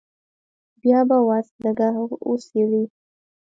بيا به وضع لږه وڅېړې.